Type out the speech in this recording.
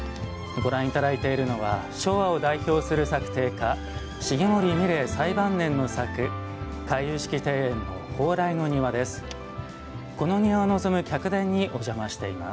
ご覧いただいているのは昭和を代表する作庭家重森三玲最晩年の作回遊式庭園の蓬莱の庭です。